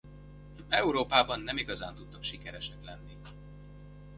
Európában nem igazán tudtak sikeresek lenni.